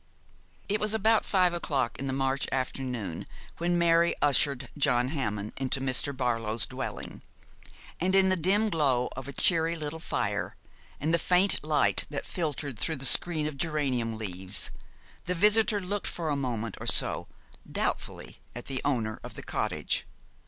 It was about five o'clock in the March afternoon, when Mary ushered John Hammond into Mr. Barlow's dwelling, and, in the dim glow of a cheery little fire and the faint light that filtered through the screen of geranium leaves, the visitor looked for a moment or so doubtfully at the owner of the cottage.